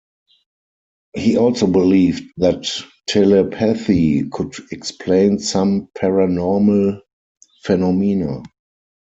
He also believed that telepathy could explain some paranormal phenomena.